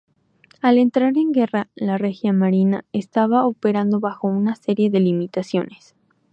Al entrar en guerra, la Regia Marina estaba operando bajo una serie de limitaciones.